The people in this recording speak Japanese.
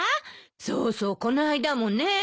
そうそうこの間もね。